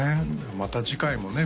また次回もね